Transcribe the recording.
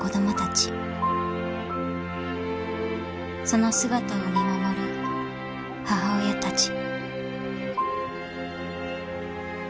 ［その姿を見守る母親たち］